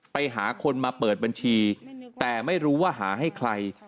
ไปหาคนมาเปิดบัญชีแต่ไม่รู้ว่าหาให้ใคร